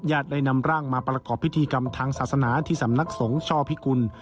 ได้นำร่างมาประกอบพิธีกรรมทางศาสนาที่สำนักสงฆ์ช่อพิกุล